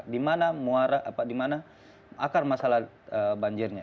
di mana akar masalah banjirnya